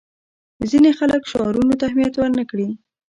ځینې خلک شعارونو ته اهمیت ورنه کړي.